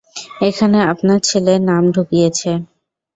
এখানে আপনার ছেলে নাক ঢুকিয়েছে।